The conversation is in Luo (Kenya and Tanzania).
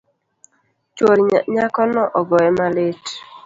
Chuor nyakono ogoye malit